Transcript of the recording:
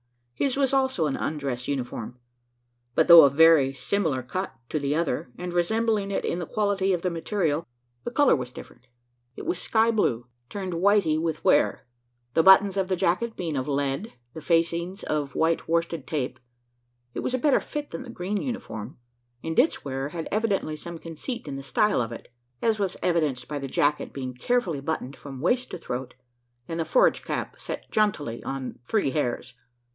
His was also an undress uniform; but, though of very similar cut to the other, and resembling it in the quality of the material, the colour was different. It was sky blue, turned whitey with wear the buttons of the jacket being of lead, and the facings of white worsted tape. It was a better fit than the green uniform; and its wearer had evidently some conceit in the style of it as was evidenced by the jacket being carefully buttoned from waist to throat, and the forage cap set jauntily on "three hairs."